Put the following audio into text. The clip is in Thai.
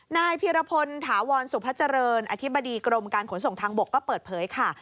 นายพีรพลถาวรสุพเจริญอธิบดีกรมการขนส่งทางบกก็เปิดเผยค่ะ